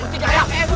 uih jangan aja men